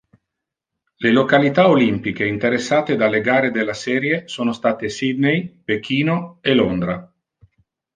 La località olimpiche interessate dalle gare della serie sono state Sydney, Pechino e Londra.